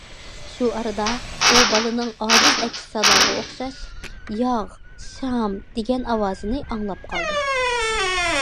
شۇ ئارىدا ئۇ بالىنىڭ ئاجىز ئەكس ساداغا ئوخشاش« ياغ شام...» دېگەن ئاۋازىنى ئاڭلاپ قالدى.